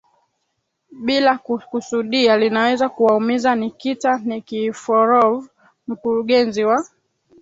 bila kukusudia linaweza kuwaumiza Nikita Nikiforov mkurugenzi wa